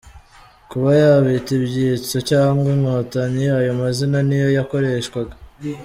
Kuba yabita ibyitso cyangwa Inkotanyi ayo mazina niyo yakoreshwaga.